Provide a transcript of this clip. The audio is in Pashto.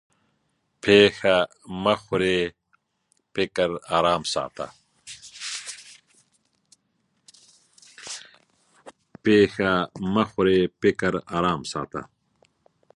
پېښه مه خورې؛ فکر ارام ساته.